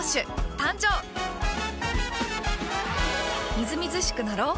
みずみずしくなろう。